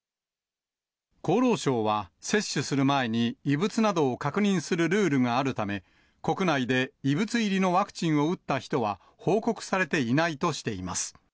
厚労省は接種する前に、異物などを確認するルールがあるため、国内で異物入りのワクチンを打った人は、報告されていないとしています。